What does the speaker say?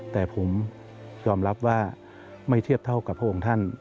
แต่ผมยอมรับว่าไม่เทียบเท่ากับพระองค์ท่าน